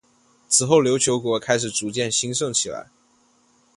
此后琉球国开始逐渐兴盛起来。